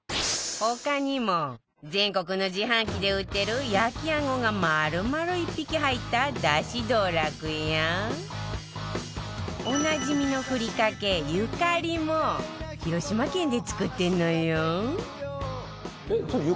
他にも全国の自販機で売ってる焼きあごが丸々１匹入っただし道楽やおなじみのふりかけ、ゆかりも広島県で作ってんのよ